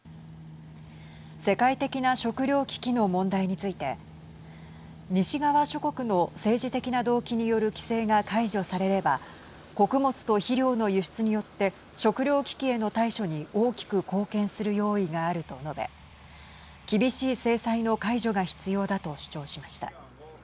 世界的な食糧危機の問題について西側諸国の政治的な動機による規制が解除されれば穀物と肥料の輸出によって食糧危機への対処に大きく貢献する用意があると述べ厳しい制裁の解除が必要だと主張しました。